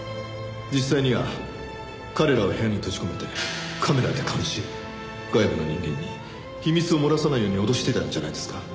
実際には彼らを部屋に閉じ込めてカメラで監視し外部の人間に秘密を漏らさないように脅してたんじゃないですか？